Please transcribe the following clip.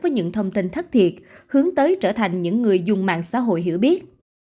với những thông tin thất thiệt hướng tới trở thành những người dùng mạng xã hội hiểu biết